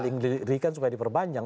ini kan suka diperpanjang